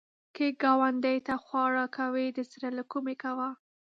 که ګاونډي ته خواړه کوې، د زړه له کومي کوه